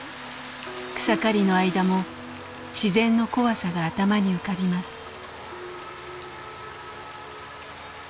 草刈りの間も自然の怖さが頭に浮かびます。